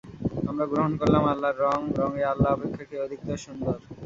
আমরা গ্রহণ করলাম আল্লাহর রং, রঙে আল্লাহ অপেক্ষা কে অধিকতর সুন্দর?